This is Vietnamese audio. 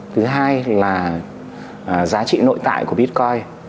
thứ hai là giá trị nội tại của bitcoin